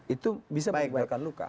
itu bisa mengubahkan luka